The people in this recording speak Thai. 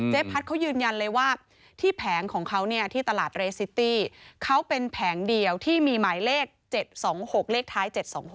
พัฒน์เขายืนยันเลยว่าที่แผงของเขาเนี่ยที่ตลาดเรซิตี้เขาเป็นแผงเดียวที่มีหมายเลข๗๒๖เลขท้าย๗๒๖